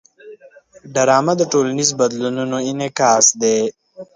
ډرامه د ټولنیزو بدلونونو انعکاس دی